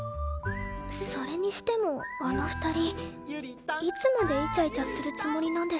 それにしてもあの２人いつまでイチャイチャするつもりなんでしょう。